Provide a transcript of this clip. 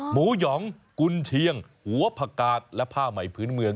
หมูหยองกุลเชียงหัวผักาสและผ้าเหม่าผื้นเมือง